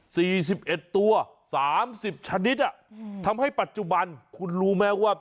สิบเอ็ดตัวสามสิบชนิดอ่ะอืมทำให้ปัจจุบันคุณรู้ไหมว่า